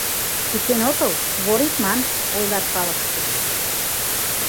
«Кучен отыл — вор ит ман», — ойлат калыкыште.